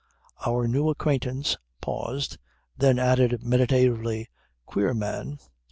Our new acquaintance paused, then added meditatively: "Queer man.